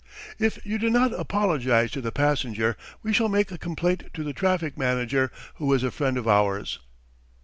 If you do not apologize to the passenger, we shall make a complaint to the traffic manager, who is a friend of ours."